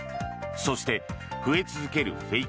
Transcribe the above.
そして増え続けるフェイク